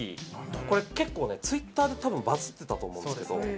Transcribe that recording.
これ結構ねツイッターで多分バズってたと思うんですけど。